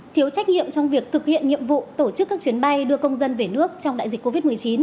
thiếu trách nhiệm trong việc thực hiện nhiệm vụ tổ chức các chuyến bay đưa công dân về nước trong đại dịch covid một mươi chín